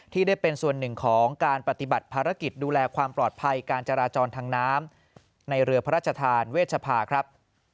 ที่ได้เป็นส่วนหนึ่งของการปฏิบัติภารกิจดูแลความปลอดภัยการจราจรทางน้ำในเรือพระราชทานเวชภาครับ